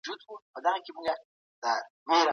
بدن د ویروس پر وړاندې انټي باډي جوړوي.